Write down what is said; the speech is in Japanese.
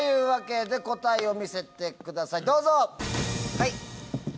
答えを見せてくださいどうぞ。